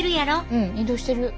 うん移動してる。